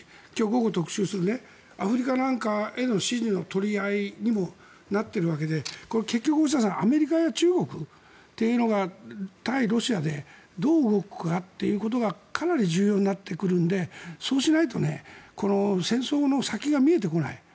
午後に特集するアフリカなんかへの支持の取り合いにもなってるわけでこれ、結局アメリカや中国というのが対ロシアでどう動くかということがかなり重要になってくるのでそうしないと戦争の先が見えてこない。